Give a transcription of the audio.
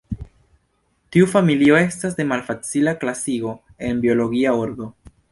Tiu familio estas de malfacila klasigo en biologia ordo.